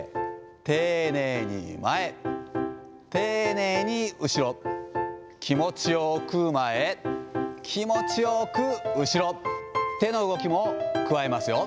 丁寧に前、丁寧に後ろ、気持ちよく前、気持ちよく後ろ、手の動きも加えますよ。